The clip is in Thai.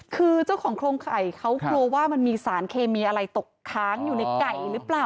คือเจ้าของโครงไข่เขากลัวว่ามันมีสารเคมีอะไรตกค้างอยู่ในไก่หรือเปล่า